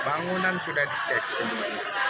bangunan sudah dicek sendiri